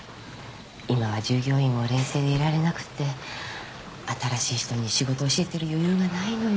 今は従業員も冷静でいられなくって新しい人に仕事を教えてる余裕がないのよ